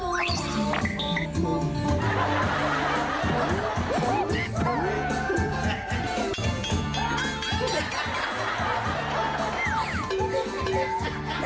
โพกเขียนบะ